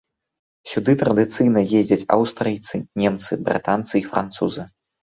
Сюды традыцыйна ездзяць аўстрыйцы, немцы, брытанцы і французы.